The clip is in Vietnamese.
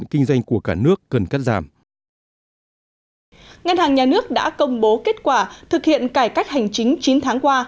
ngân hàng nhà nước đã công bố kết quả thực hiện cải cách hành chính chín tháng qua